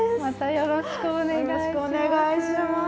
よろしくお願いします。